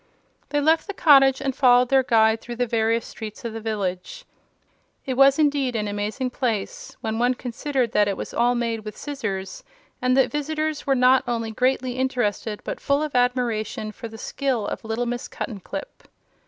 They left the cottage and followed their guide through the various streets of the village. It was indeed an amazing place, when one considered that it was all made with scissors, and the visitors were not only greatly interested but full of admiration for the skill of little Miss Cuttenclip.